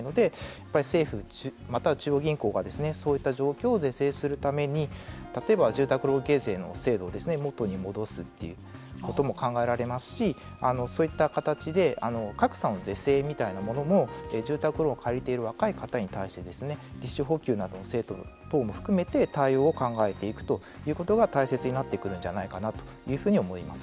やっぱり政府または中央銀行がそういった状況を是正するために例えば住宅ローン形成の制度を元に戻すということも考えられますしそういった形格差の是正みたいなものも住宅ローンを借りている若い方に対して利子補給の制度等も含めて対応を考えていくということも大切になってくるんじゃないかなというふうに思います。